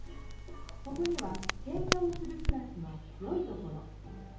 ここには「ケンカをするクラス」のよいところ。